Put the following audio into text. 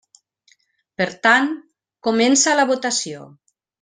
Per tant, comença la votació.